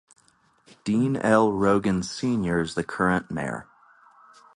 Dean L Rogan Senior is the current mayor.